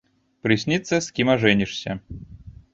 Прысніцца, з кім ажэнішся.